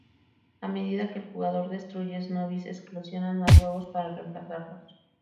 A medida que el jugador destruye Sno-Bees, eclosionan más huevos para reemplazarlos.